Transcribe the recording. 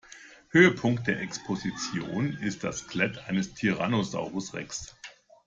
Höhepunkt der Exposition ist das Skelett eines Tyrannosaurus Rex.